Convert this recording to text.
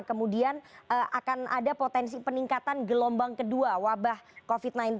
kemudian akan ada potensi peningkatan gelombang kedua wabah covid sembilan belas